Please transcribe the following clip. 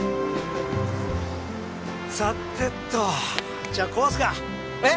さてとじゃあ壊すかえっ？